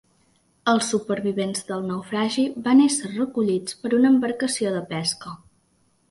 Els supervivents del naufragi van ésser recollits per una embarcació de pesca.